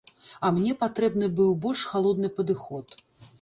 А мне патрэбны быў больш халодны падыход.